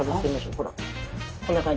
ほらこんな感じ。